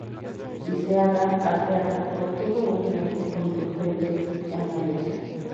Liceaga Arteaga obtuvo un triunfo contundente en la elección.